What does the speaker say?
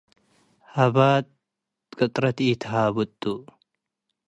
ሃብጥ ቅጥረት ኢትሃብጡ።